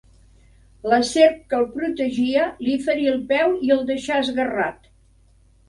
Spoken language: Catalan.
La serp que el protegia li ferí el peu i el deixà esguerrat.